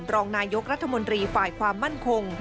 รองนายกรัฐมนตรีฝ่ายความมั่นคง